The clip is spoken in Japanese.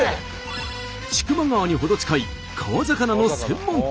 千曲川に程近い川魚の専門店。